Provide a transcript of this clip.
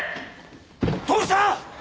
どうした！？